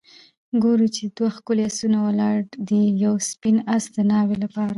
ګورو چې دوه ښکلي آسونه ولاړ دي ، یو سپین آس د ناوې لپاره